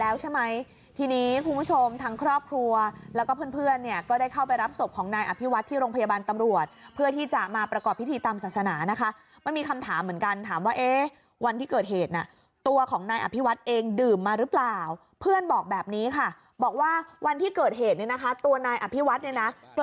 แล้วใช่ไหมทีนี้คุณผู้ชมทั้งครอบครัวแล้วก็เพื่อนเพื่อนเนี่ยก็ได้เข้าไปรับศพของนายอภิวัฒน์ที่โรงพยาบาลตำรวจเพื่อที่จะมาประกอบพิธีตามศาสนานะคะมันมีคำถามเหมือนกันถามว่าเอ๊ะวันที่เกิดเหตุน่ะตัวของนายอภิวัฒน์เองดื่มมาหรือเปล่าเพื่อนบอกแบบนี้ค่ะบอกว่าวันที่เกิดเหตุเนี่ยนะคะตัวนายอภิวัฒน์เนี่ยนะก